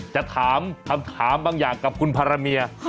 จะถามคำถามบางอย่างกับคุณภารเมีย